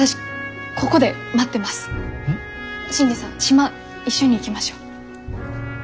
新次さん島一緒に行きましょう。